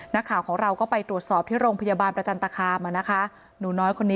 นักข่าวของเราก็ไปตรวจสอบที่โรงพยาบาลประจันตคามมานะคะ